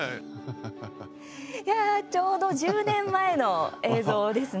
いやあ、ちょうど１０年前の映像ですね。